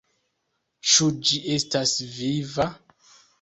Ĉu ĝi estas viva?